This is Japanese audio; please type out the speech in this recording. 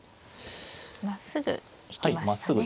まっすぐ引きましたね。